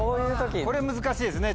これ難しいですね。